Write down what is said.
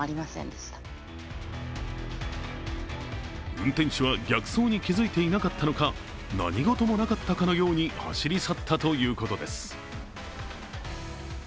運転手は逆走に気づいていなかったのか、何事もなかったかのように走り去ったということです。